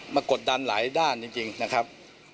กดดันหลายด้านจริงนะครับ